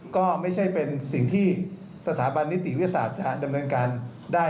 ก็ไม่ใช่เป็นสิ่งที่สถาบันนิติวิทยาศาสตร์จะดำเนินการได้